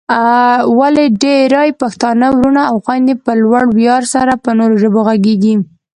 ولې ډېرای پښتانه وروڼه او خويندې په لوړ ویاړ سره په نورو ژبو غږېږي؟